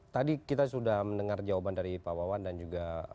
tadi kita sudah mendengar jawaban dari pak wawan dan juga